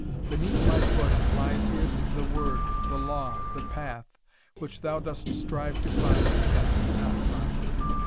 Beneath my foot lies hid The Word, the Law, the Path, which thou dost strive To find and canst not find.